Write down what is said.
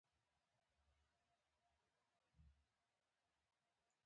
دا بې شمیره دوږخونه په نازکو اوږو، وړمه